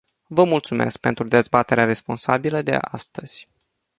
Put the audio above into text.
Vă mulțumesc pentru dezbaterea responsabilă de astăzi.